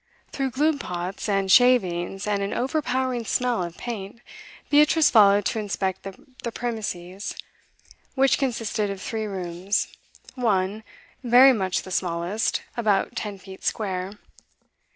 Through glue pots and shavings and an overpowering smell of paint, Beatrice followed to inspect the premises, which consisted of three rooms; one, very much the smallest, about ten feet square.